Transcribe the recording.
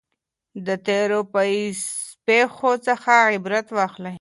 د تیرو پیښو څخه عبرت واخلئ.